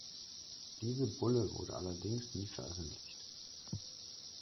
Diese Bulle wurde allerdings nie veröffentlicht.